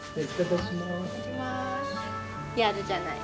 やるじゃない。